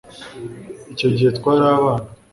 icyo gihe twari abana